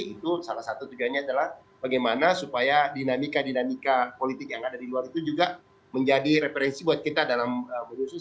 itu salah satu tujuannya adalah bagaimana supaya dinamika dinamika politik yang ada di luar itu juga menjadi referensi buat kita dalam berusaha